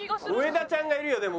植田ちゃんがいるよでも。